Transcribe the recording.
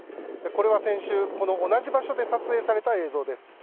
これは先週、この同じ場所で撮影された映像です。